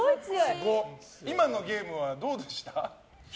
今のゲームはどうでした？